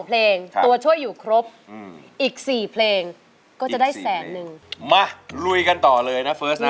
ลุยกันต่อเลย